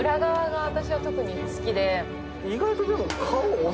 意外とでも。